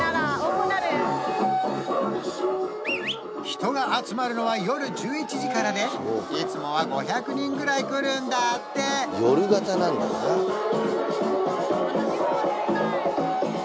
人が集まるのは夜１１時からでいつもは５００人ぐらい来るんだって夜型なんだな